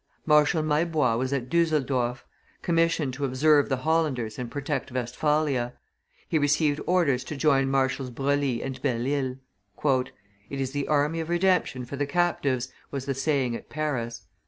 Marshal Maillebois was at Dusseldorf, commissioned to observe the Hollanders and protect Westphalia; he received orders to join Marshals Broglie and Belle Isle. "It is the army of redemption for the captives," was the saying at Paris.